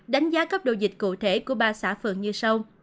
đánh giá cấp độ dịch cụ thể của ba xã phường như sau